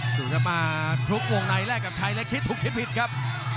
กลุ่มจะมาทุกวงไน่แรกกับชายเล็กคิดถูกคิดผิดครับ